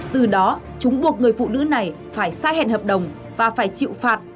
từ đó chúng buộc người phụ nữ này phải xa hẹn hợp đồng và phải chịu phạt